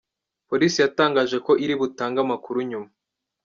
Polisi yatangaje ko iri butange amakuru nyuma.